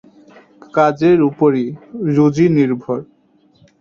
কাজের উপরই রুজি নির্ভর।